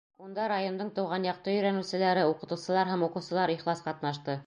Унда райондың тыуған яҡты өйрәнеүселәре, уҡытыусылар һәм уҡыусылар ихлас ҡатнашты.